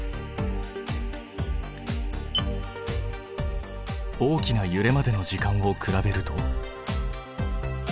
大きなゆれまでの時間を比べると？